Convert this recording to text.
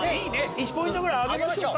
１ポイントくらいあげましょうか。